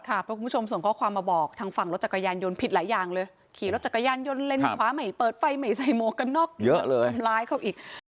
เพราะคุณผู้ชมส่งข้อความมาบอกทางฝั่งรถจักรยานยนต์ผิดหลายอย่างเลยขี่รถจักรยานยนต์เล่นขวาไม่เปิดไฟไม่ใส่หมวกกันน็อกเยอะเลยทำร้ายเขาอีก